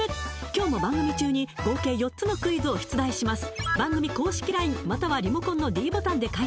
今日も番組中に合計４つのクイズを出題します